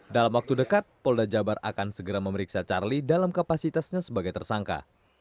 dalam waktu dekat polda jabar akan segera memeriksa charlie dalam kapasitasnya sebagai tersangka